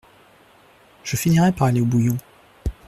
Je finirai par aller au bouillon…